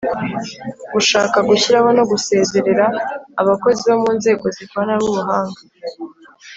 Gushaka gushyiraho no gusezerera abakozi bomunzego zikorana buhanga